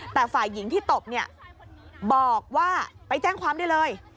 แต่ฝ่ายหญิงที่ตบเนี่ยบอกว่าไปแจ้งความได้เลย